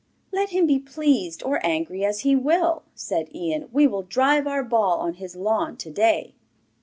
'Let him be pleased or angry as he will,' said Ian; 'we will drive our ball on his lawn to day.